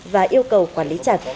và yêu cầu quản lý chặt